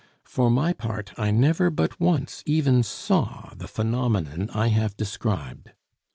For my part, I never but once even saw the phenomenon I have described.